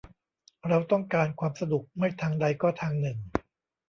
เราต้องการความสนุกไม่ทางใดก็ทางหนึ่ง